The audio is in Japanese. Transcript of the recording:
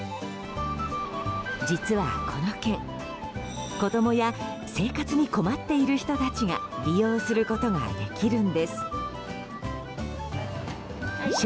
実はこの券、子供や生活に困っている人たちが利用することができるんです。笑